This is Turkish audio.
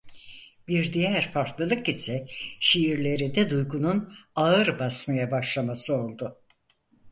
Bir diğer farklılık ise şiirlerinde duygunun ağır basmaya başlaması oldu.